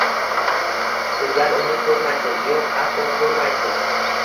Sizlar uni ko`rmaysiz, yo`q, aslo ko`rmaysiz